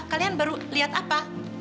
kalian baru lihat apa